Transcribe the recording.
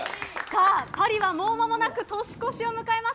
パリはもうまもなく年越しを迎えます。